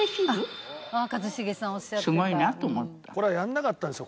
これはやらなかったんですよ